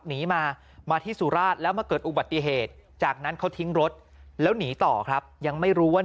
หนีมามาที่สุราชแล้วมาเกิดอุบัติเหตุจากนั้นเขาทิ้งรถแล้วหนีต่อครับยังไม่รู้ว่า